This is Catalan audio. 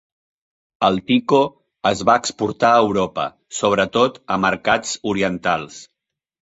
El Tico es va exportar a Europa, sobre tot a mercats orientals.